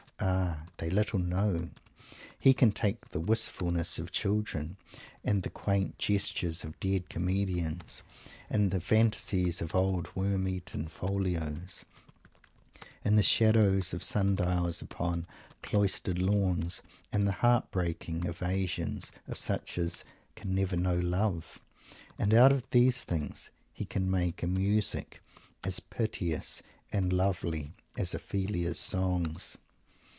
Ah! They little know! He can take the wistfulness of children, and the quaint gestures of dead Comedians, and the fantasies of old worm eated folios, and the shadows of sundials upon cloistered lawns, and the heartbreaking evasions of such as "can never know love" and out of these things he can make a music as piteous and lovely as Ophelia's songs.